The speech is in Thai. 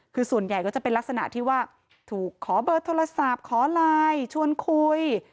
คือส่วนใหญ่ก็จะเป็นลักษณะที่ว่าถูกขอเบอร์โทรศัพท์ขอไลน์ชวนคุย